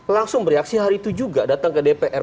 langsung bereaksi hari itu juga datang ke dpr